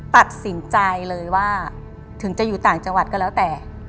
ตัดสินใจเลยว่าถึงจะอยู่ต่างจังหวัดก็แล้วแต่